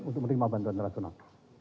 untuk menerima bantuan internasional